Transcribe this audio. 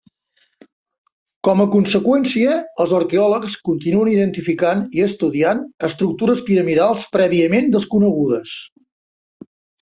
Com a conseqüència, els arqueòlegs continuen identificant i estudiant estructures piramidals prèviament desconegudes.